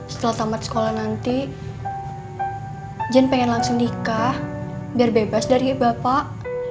setelah tamat sekolah nanti jen pengen langsung nikah biar bebas dari bapak